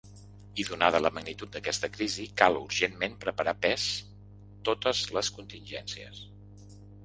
I donada la magnitud d'aquesta crisi, cal urgentment preparar pes totes les contingències.